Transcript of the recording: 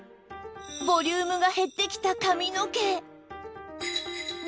ボリュームが減ってきた髪の毛